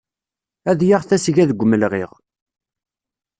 Ad yaɣ tasga deg umelɣiɣ.